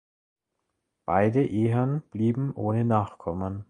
Beide Ehen blieben ohne Nachkommen.